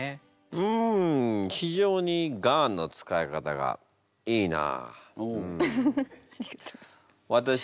うん非常に「ガーン」の使い方がいいなあうん。